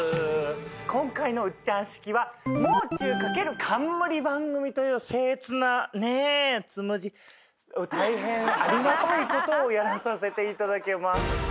今回のウッチャン式はもう中×冠番組という僭越なねえ大変ありがたいことをやらさせていただけます